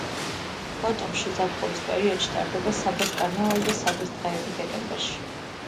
ბოტომში ზაფხულის პერიოდში ტარდება საბას კარნავალი და საბას დღეები დეკემბერში.